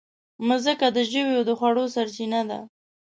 مځکه د ژويو د خوړو سرچینه ده.